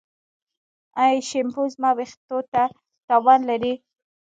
ایا شیمپو زما ویښتو ته تاوان لري؟